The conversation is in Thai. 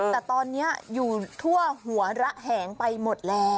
แต่ตอนนี้อยู่ทั่วหัวระแหงไปหมดแล้ว